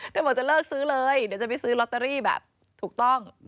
บอกจะเลิกซื้อเลยเดี๋ยวจะไปซื้อลอตเตอรี่แบบถูกต้อง